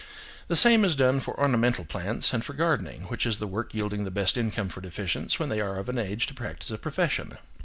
The same is done for ornamental plants and for gardening, which is the work yielding the best income for deficients, when they are of an age to practise a profession.